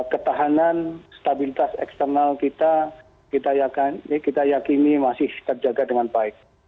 ketahanan stabilitas eksternal kita kita yakini masih terjaga dengan baik